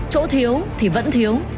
chỗ thiếu thì vẫn thiếu